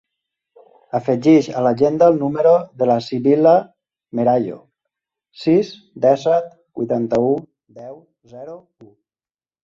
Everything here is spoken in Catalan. Afegeix a l'agenda el número de la Sibil·la Merayo: sis, disset, vuitanta-u, deu, zero, u.